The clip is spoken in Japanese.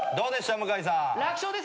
向井さん。